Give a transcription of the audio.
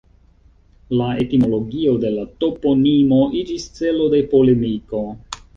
La etimologio de la toponimo iĝis celo de polemiko.